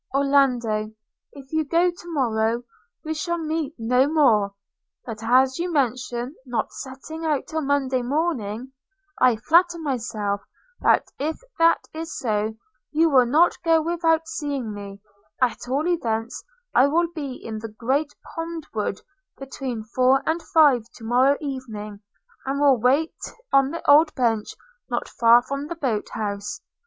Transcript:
Orlando, if you go to morrow, we shall meet no more! – but as you mention not setting out till Monday morning, I flatter myself that if that is so, you will not go without seeing me: at all events I will be in the great pond wood between four and five to morrow evening; and will wait on the old bench not far from the boat house.